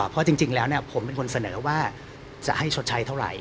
เพราะจริงแล้วผมเป็นคนเสนอว่าจะให้ชดใช้เท่าไหร่